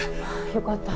よかった。